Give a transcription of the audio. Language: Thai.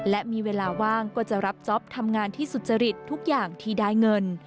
และมีเวลาว่างก็จะรับจ๊อปทำงานที่สุจริตทุกอย่างที่ได้เงิน